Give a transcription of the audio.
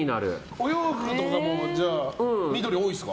お洋服とかも緑多いですか？